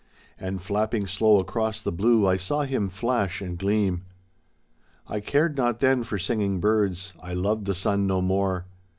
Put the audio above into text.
And, flapping slow across the blue, I saw him flash and gleam. I cared not then for singing birds, I loved the sun no more.